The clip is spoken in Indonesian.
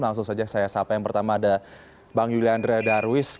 langsung saja saya sapa yang pertama ada bang yuliandra darwis